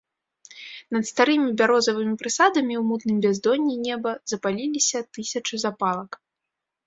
Над старымі бярозавымі прысадамі ў мутным бяздонні неба запаліліся тысячы запалак.